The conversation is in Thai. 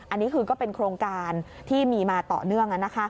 อันนี้คือก็เป็นโครงการที่มีมาต่อเนื่อง